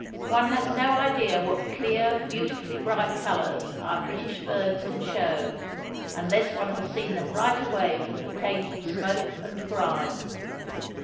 One has no idea what clear, beautifully bright colour our British birds can show, unless one has seen them right away from the taint of smoke and grime.